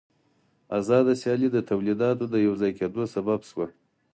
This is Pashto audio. آزاده سیالي د تولیداتو د یوځای کېدو سبب شوه